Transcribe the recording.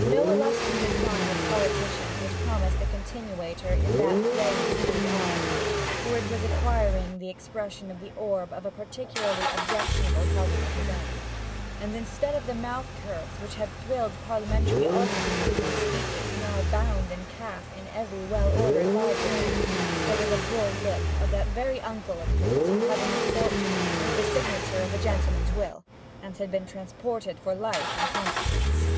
No illustrious line of politicians was promised a continuator in that graying blue eye, for it was acquiring the expression of the orb of a particularly objectionable cousin of his own; and, instead of the mouth curves which had thrilled Parliamentary audiences in speeches now bound in calf in every well ordered library, there was the bull lip of that very uncle of his who had had the misfortune with the signature of a gentleman's will, and had been transported for life in consequence.